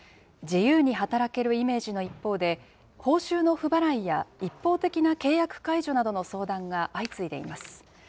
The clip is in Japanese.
自由に働けるイメージの一方で、報酬の不払いや一方的な契約解除などの相談が相次いでいます。